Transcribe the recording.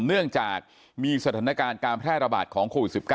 เนื่องจากมีสถานการณ์การแพร่ระบาดของโควิด๑๙